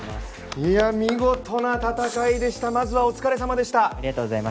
見事な戦いでした、まずはお疲れさまでした。